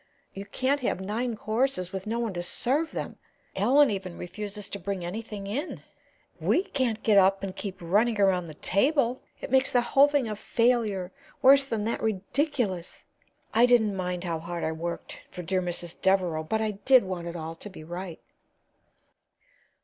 "You can't have nine courses with no one to serve them. Ellen even refuses to bring anything in. We can't get up and keep running around the table! It makes the whole thing a failure worse than that, ridiculous. I didn't mind how hard I worked for dear Mrs. Devereaux, but I did want it all to be right."